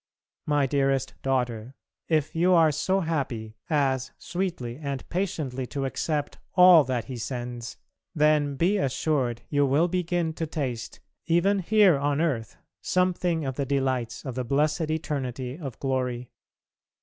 My dearest daughter, if you are so happy as sweetly and patiently to accept all that He sends, then be assured you will begin to taste even here on earth something of the delights of the blessed eternity of glory.